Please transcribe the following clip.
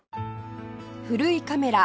古いカメラ